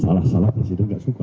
salah salah presiden nggak suka